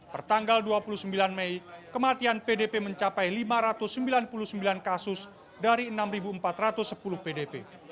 pertanggal dua puluh sembilan mei kematian pdp mencapai lima ratus sembilan puluh sembilan kasus dari enam empat ratus sepuluh pdp